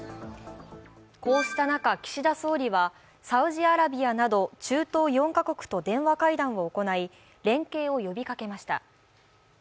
こうした中、岸田総理はサウジアラビアなど中東４か国と電話会談を行い連携を呼びかけました。